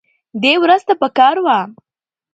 دې ورځ ته پکار وه